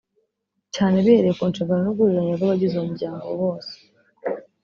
cyane bihereye ku nshingano n’ubwuzuzanye bw’abagize uwo muryango bose